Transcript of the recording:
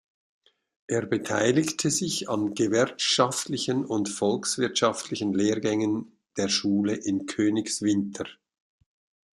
Er beteiligte sich an gewerkschaftlichen und volkswirtschaftlichen Lehrgängen der Schule in Königswinter.